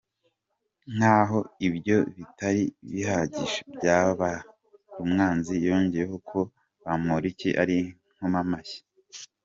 Nkaho ibyo bitari bihagije, Byabarumwanzi yongeyeho ko Bamporiki ari inkomamashyi.